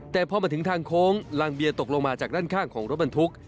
แต่พอมาถึงทางโค้งลังเบียตกลงมาจากด้านข้างของรถบรรทุก